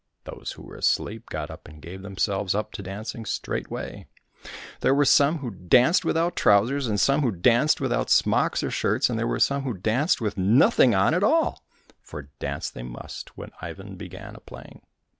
Those who were asleep got up and gave themselves up to dancing straightway ; there were some who danced without trousers, and some who danced without smocks or shirts, and there were some who danced with nothing on at all, for dance they must when Ivan began a playing.